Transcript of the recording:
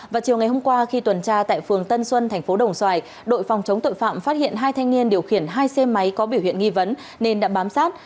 vào chiều ngày hôm qua khi tuần tra tại phường tân xuân thành phố đồng xoài đội phòng chống tội phạm phát hiện hai thanh niên điều khiển hai xe máy có biểu hiện nghi vấn nên đã bám sát